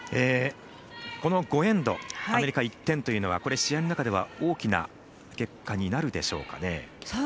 この５エンドアメリカ１点というのはこれは試合の中では大きな結果になるでしょうか？